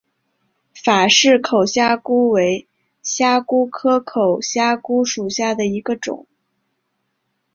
法氏口虾蛄为虾蛄科口虾蛄属下的一个种。